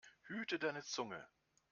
Hüte deine Zunge!